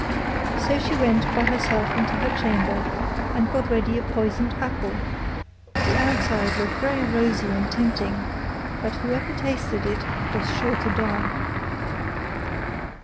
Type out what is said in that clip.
So she went by herself into her chamber, and got ready a poisoned apple: the outside looked very rosy and tempting, but whoever tasted it was sure to die.